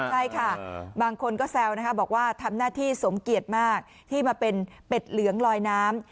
ใช่ค่ะบางคนก็แซวนะคะบอกว่าทำหน้าที่สมเกียจมากที่มาเป็นเป็ดเหลืองลอยน้ำ